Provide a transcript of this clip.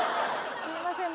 すいません